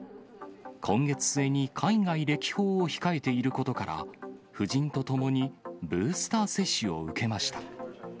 今月末に海外歴訪を控えていることから、夫人と共にブースター接種を受けました。